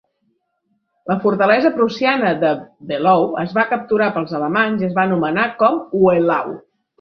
La fortalesa prussiana de Velowe es va capturar pels alemanys i es va anomenar com "Wehlau".